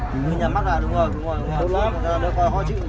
nếu như nhắm mắt là đúng rồi